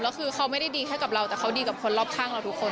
แล้วคือเขาไม่ได้ดีแค่กับเราแต่เขาดีกับคนรอบข้างเราทุกคน